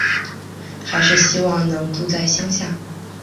还是希望能住在乡下